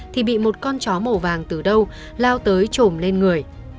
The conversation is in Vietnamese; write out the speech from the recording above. thì bị một con chó màu vàng từ đâu lao tới trồm lên người